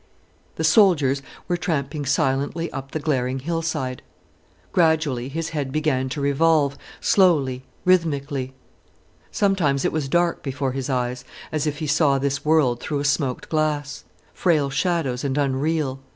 The soldiers were tramping silently up the glaring hillside. Gradually his head began to revolve, slowly, rhythmically. Sometimes it was dark before his eyes, as if he saw this world through a smoked glass, frail shadows and unreal.